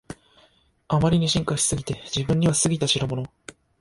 あまりに進化しすぎて自分には過ぎたしろもの